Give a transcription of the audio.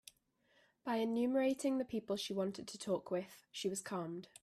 By enumerating the people she wanted to talk with, she was calmed.